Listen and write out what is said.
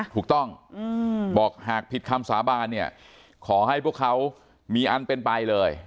ถูกต้องบอกหากผิดคำสาบานเนี่ยขอให้พวกเขามีอันเป็นไปเลย